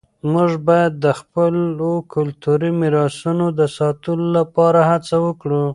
موږ باید د خپلو کلتوري میراثونو د ساتلو لپاره هڅه وکړو.